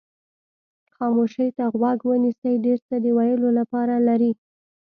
خاموشۍ ته غوږ ونیسئ ډېر څه د ویلو لپاره لري.